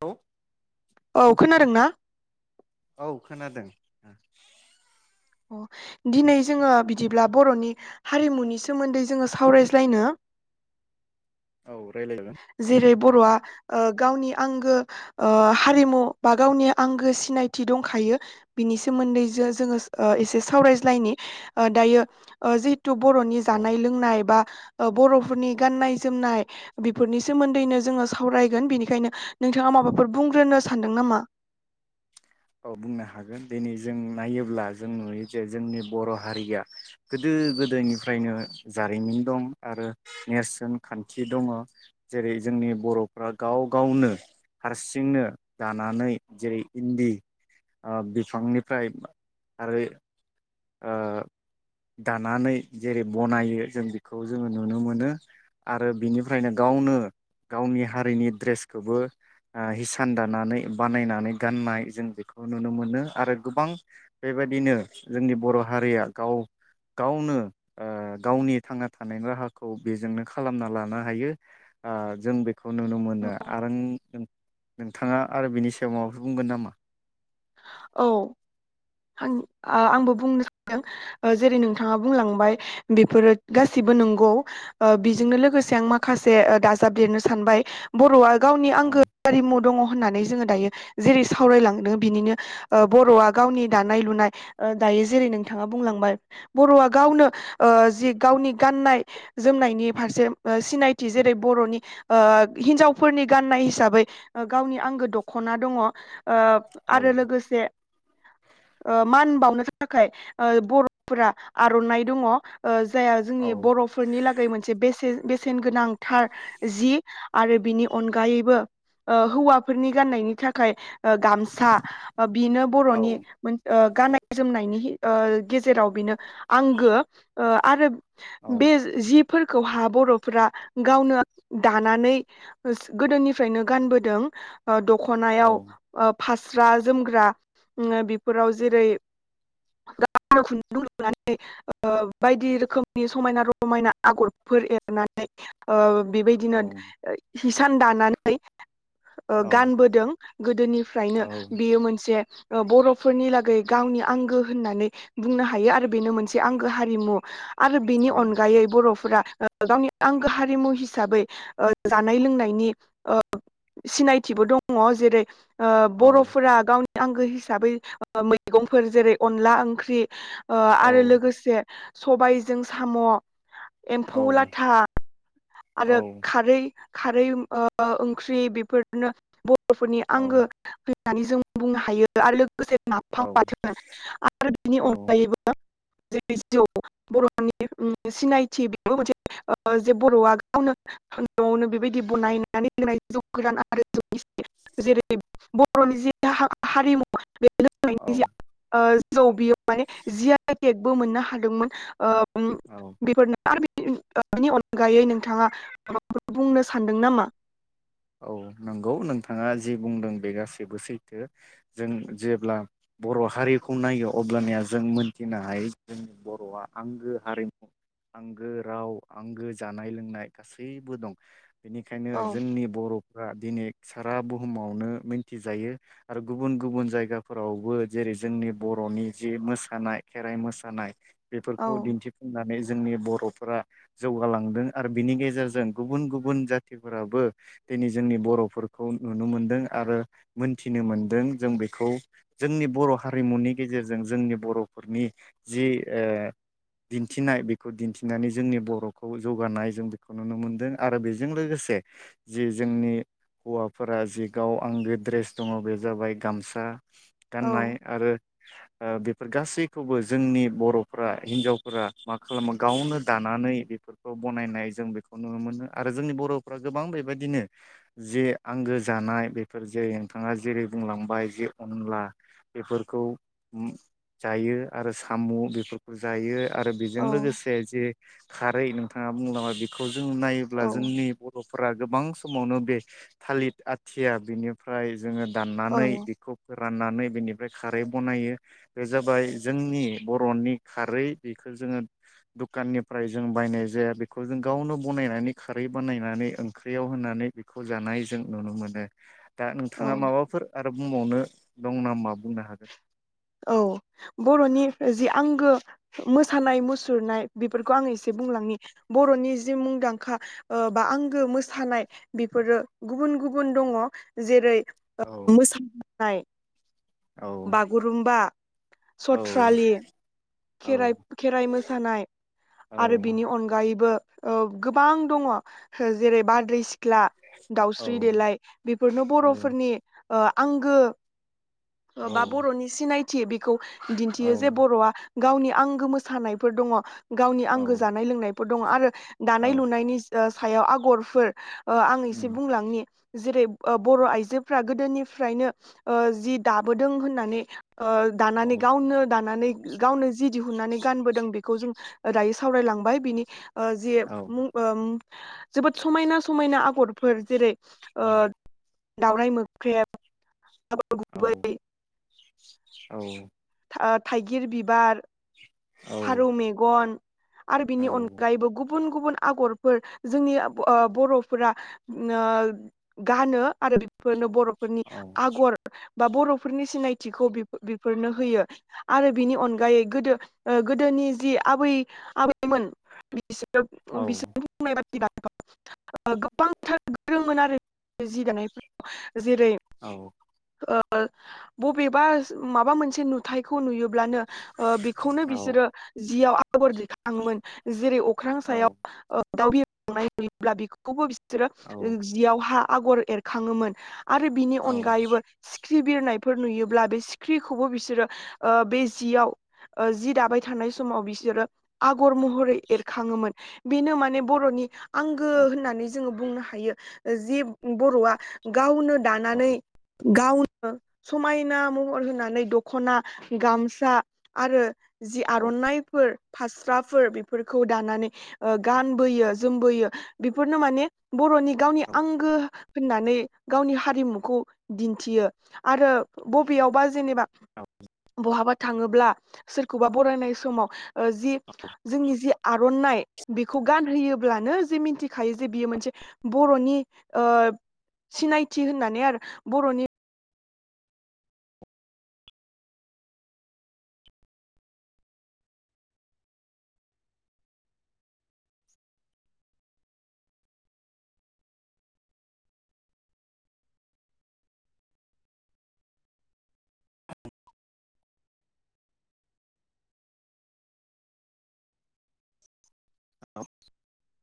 औ। औ खोनादों ना। औ खोनादों। अ दिनै जोङो बिदिब्ला बरनि हारिमुनि सोमोन्दै जोङो सावरायज्लायनो। औ रायलायजागोन। जेरै बरआ ओ गावनि आंगो ओ हारिमु बा गावनि आंगो सिनायथि दंखायो बिनि सोमोन्दै जो-जोङो ओ एसे सावरायज्लायनि ओ दायो ओ जि थु बरनि औ जानाय लोंनाय बा। बरफोरनि गाननाय जोमनाय। बेफोरनि सोमोन्दैनो जोङो सावरायगोन बेनिखायनो नोंथाङा माबाफोर बुंग्रोनो सानदों नामा। औ बुंनो हागोन दिनि जों नायोब्ला जों नुयो जे जोंनि बर हारिया गोदो गोदायनिफ्रायनो जारिमिन दं आरो नेरसोन खान्थि दङ जेरै जोंनि बरफ्रा गाव गावनो हारसिंनो दानानै जेरै इन्दि। ओ बिफांनिफ्राय आरोयै। ओ दानानै जेरै बनायो जों बेखौ जोङो नुनो मोनो आरो बिनिफ्रायनो गावनो गावनि हारिनि ट्रेसखौबो हिसान दानानै बानायनानै गाननाय जों बेखौ नुनो मोनो आरो गोबां बेबायदिनो। जोंनि बर हारिया गाव गावनो ओ गावनि थांना थानायनि राहाखौ बेजोंनो खालामना लानो हायो आ जों बेखौ नुनो मोनो आरो नों- नोंथाङा आरो बिनि सायाव माबाफोरो बुंगोन नामा। औ आं आ आंबो बुंनो सानदों ओ जेरै नोंथाङा बुंलांबाय बेफोरो गासिबो नंगौ ओ बेजोंनो लोगोसे आं माखासे ओ दाजाबदेरनो सानबाय बरआ। गावनि आंगो औ आरिमु दङ। होननानै जोङो दायो जेरै सावरायलांदों बिनिनो। बरआ गावनि दानाय लुनाय ओ दायो जेरै नोंथाङा बुंलांबाय बर आ गावनो जि गावनि गाननाय जोमनायनि फारसे सिनायथि जेरै बरनि हिन्जावफोरनि गाननाय हिसाबै। गावनि आंगो दखना दङ ओ औ आरो लो ओ मान बावनो थाखाय ओ बरफोरा आरनाइ दङ ओ जायहा औ जोंनि बरफोरनि लागै मोनसे बेसेन बेसेन गोनांथार जि आरो बिनि अनगायैबो ओ हौवाफोरनि गाननायनि थाखाय ओ गामसा। बिनो औ बरनि मोन ओ गाननाय जोमनायनि ओ गेजेराव बिनो। आंगो ओ आरो औ बे जि फोरखौहा बरफोरा गावनो दानानै गोदोनिफ्रायनो गानबोदों। ओ दखनायाव फास्रा जोमग्रा उम बेफोराव जेरै [unintelligible] खुन्दुं लुनानै बायदि रोखोमनि समायना रमायना आगरफोर एरनानै ओ बेबायदिनो औ हिसान दानानै ओ औ गानबोदों गोदोनिफ्रायनो। औ मोनसे ओ बरफोरनि लागै गावनि आंगो होननानै बुंनो हायो आरो बेनो मोनसे आंगो हारिमु। आरो बिनि औ अनगायै बर फोरा गावनि आंगो हारिमु हिसाबै ओ जानाय लोंनायनि ओ सिनायथिबो दङ जेरै ओ औ बर [unintelligible] गावनि आंगो हिसाबै मैगंफोर जेरै अनला ओंख्रि ओ औ आरो लोगोसे सबायजों साम औ एम्फौ लाथा औ आरो खारै खारै ओ ओंख्रि बेफोरनो ब र'फोरनि औ आंगो होननानै जों बुंनो हायो आरो लोगो से नाफाम बाथोन आरो बेनि औ अनगायैबो जेरै जौ बर'नि उम सिनायथि बेबो मोनसे ओ जे बर'आ गावनो नआवनो बेबायदि बनायनानै होनाय जौ गोरान आरो जौ गिसि जेरै ब र'नि जि हा- हारिमु [inaudible] औ जौ बियो माने जि आइ तेकबो मोननो हादोंमोन ओ उम औ बेफोरनो आरो बिनि ओ बिनि अनगायै नोंथाङा माबाफोर बुंनो सानदों नामा? औ नंगौ नोंथाङा जि बुंदों बे गासैबो सैथो जों जेब्ला बर' हारिखौ नायो अब्लानिया जों मोनथिनो हायो जोंनि बर'आ आंगो हारिमु आंगो राव आंगो जानाय लोंनाय गासैबो दं। बेनिखायनो औ जोंनि बर'फ्रा दिनै सारा बुहुमावनो मिनथिजायो आरो गुबुन गुबुन जायगाफोरावबो जेरै जोंनि बर'नि जि मोसानाय खेराइ मोसानाय औ बेफोरखौ दिन्थिफुंनानै जोंनि बर'फ्रा जौगालांदों आरो बिनि गेजेरजों गुबुन गुबुन जाथिफोराबो दिनै जोंनि बर'फोरखौ नुनो मोनदों आरो मोनथिनो मोनदों जों बेखौ जोंनि बर' हारिमुनि गेजेरजों जोंनि बर'फोरनि जि दिन्थिनाय बेखौ दिन्थिनानै जोंनि बर'खौ जौगानाय जों बेखौ नुनो मोनदों आरो बेजों लोगोसे जि जोंनि हौवाफोरा जि गाव आंगो ड्रेस दङ बे जाबाय गामसा औ गाननाय आरो बेफोर ओ गासै खौबो जोंनि बर' फोरा हिनजावफोरा माखा खालामो गावनो दानानै बेफोरखौ बनायनाय जों बेखौ नुनो मोनो आरो जोंनि बर'फ्रा गोबां बेबाय दिनो जे आंगो जानाय बेफोर जेरै नोंथाङा जेरै बुंलांबाय जे अनला बेफोरखौ जायो आरो साम बेफोरखौ जायो आरो बेजों औ लोगोसे जे खारै नोंथाङा बुंलाबाय बेखौ जों नायोब्ला औ जोंनि बर' फोरा गोबां समावनो बे थालिर आथिया बेनिफ्राय जोङो दाननानै औ बेखौ फो राननानै बेनिफ्राय खारै बनायो बे जाबाय जोंनि बरनि खारै बेखौ जोङो दखाननिफ्राय जों बायनाय जाया बेखौ जों गावनो बनायनानै खारै बानायनानै ओंख्रियाव होनानै बेखौ जानाय जों नुनो मोनो। दा औ नोंथाङा माबाफोर आ रो बुंबावनो दं नामा बुंनो हागोन। औ बर'नि जि आंगो मोसानाय मुसुरनाय बेफोरखौ आं एसे बुंलांनि बर'नि जि मुंदांखा ओ बा आंगो मोसानाय बेफोरो गुबुन गुबुन दङ जेरै ओ औ मोसानाय। औ बागुरुमबा, औ सथ्रालि। औ खेराइ खेराइ मोसानाय औ आरो बिनि अनगायैबो औ गोबां दङ जेरै- बारदै सि ख्ला औ दाउस्रि देलाय बेफोरनो औ बर'फोरनि ओ आंगो ओ बा औ बर'नि सिनाय थि बेखौ दिन्थियो जे औ बर'आ गावनि आंगो मोसानायफोर दङ। गावनि औ आंगो जानाय लोंनाय फोर दङ आरो औ दानाय लुनायनि ओ सायाव आगरफोर। ओ आं एसे उम बुंलांनि। जेरै ओ बर' आइजोफ्रा गोदोनिफ्रायनो ओ जि दाबोदों होननानै ओ औ दानानै गावनो दानानै गावनो जि दिहुननानै गानबोदों बेखौ जों ओ दायो सावरायलांबाय बिनि ओ जे औ मुं ओ उम जोबोद समायना समायना आगरफोर जेरै ओ दावराय मोख्रेब बै औ औ ओ थाइगिर बिबार फारौ मेगन आरो बिनि औ अनगायैबो गुब बुन गुबुन आगरफोर जोंनि ओ ब ओ बर'फोरा ओ गानो आरो बेफोरनो बर' फोरनि आगर बा बर'फोरनि सिनायथिखौ बेफो-बेफोरनो होयो आरो बिनि अनगायै गोदो ओ गोदोनि जि आबै आबैमोन औ [unintelligible] [unintelligible] जेरै ओ बबेबा माबा मोनसे नुथायखौ नुयो ब्लानो ओ बेखौनो औ बिसोरो जियाव गोबोर दिखाङोमोन जेरै अख्रां सायाव औ ओ दाव बिरलांनाय नुयोब्ला बेखौबो बिस सोरो औ जियाव हा आगर एरखाङोमोन आरो बिनि औ अनगायैबो स्क्रि बिर नायफोर नुयोब्ला बे सिख्रिखौबो बिसोरो ओ बे जियाव ओ जि दाबाय थानाय समाव बिसोरो आगर महरै एरखाङोमोन बेनो माने बर'नि आंगो होननानै जोङो बुंनो हायो जे बर'आ गावनो दानानै गावनो समायना महर होनानै दखना गामसा आरो जि औ आरनाइफोर फास्राफोर बेफोरखौ दानानै गानबोयो जोमबोयो बेफोरनो माने बरनि गावनि आंगो होननानै गावनि हारिमुखौ दिन्थियो आरो बबेयावबा जेनेबा औ औ बहाबा थाङोब्ला सोरखौबा बरायनाय समाव ओ जि जोंनि जि आरननाइ बेखौ गानहोयोब्लानो जे मिथिखायो जे बियो मोनसे बर'नि ओ सिनायथि होननानै आरो बर'नि [unintelligible]